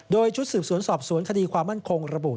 โดยชุดสืบสวนสอบสวนคดีความมั่นคงระบุ